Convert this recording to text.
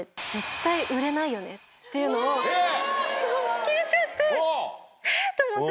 っていうのを聞いちゃってえっ！と思って。